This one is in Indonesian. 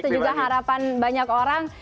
dan juga harapan banyak orang